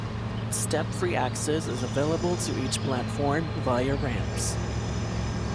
Step-free access is available to each platform via ramps.